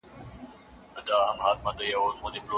ويده يا بيهوښه هم اهليت نلري.